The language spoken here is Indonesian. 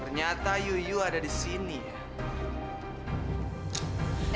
ternyata yuyu ada di sini ya